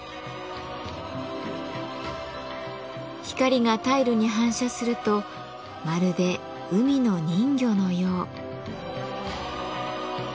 光がタイルに反射するとまるで海の人魚のよう。